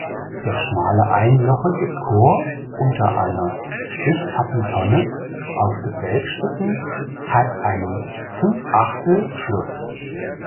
Der schmale einjochige Chor unter einer Stichkappentonne auf Gebälkstücken hat einen Fünfachtelschluss.